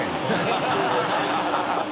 ハハハ